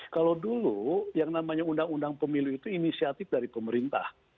kalau dulu yang namanya undang undang pemilu itu inisiatif dari pemerintah